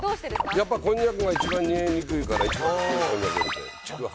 やっぱ、こんにゃくが一番煮えにくいから、一番最初に。